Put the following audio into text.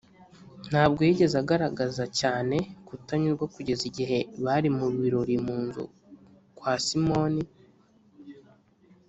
ntabwo yigeze agaragaza cyane kutanyurwa kugeza igihe bari mu birori mu nzu kwa simoni